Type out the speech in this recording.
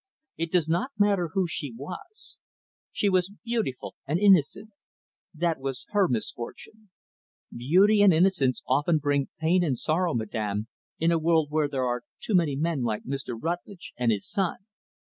It does not matter who she was. She was beautiful and innocent That was her misfortune. Beauty and innocence often bring pain and sorrow, madam, in a world where there are too many men like Mr. Rutlidge, and his son.